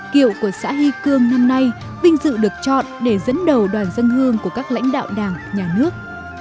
kiệu của xã hy cương năm nay vinh dự được chọn để dẫn đầu đoàn dân hương của các lãnh đạo đảng nhà nước